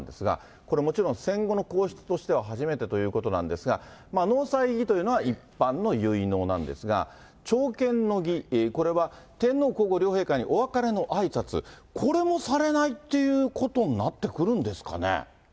これ、もちろん戦後の皇室としては初めてということなんですが、納采の儀というのは、一般の結納なんですが、朝見の儀、これは、天皇皇后両陛下にお別れのあいさつ、これもされないっていうことになってくるんですかね。